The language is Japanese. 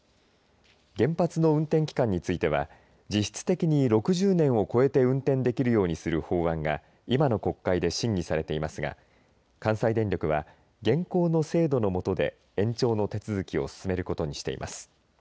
原発の運転期間については実質的に６０年を超えて運転できるようにする法案が今の国会で審議されていますが関西電力は現行の制度の下で延長の手続きを進めることにしています。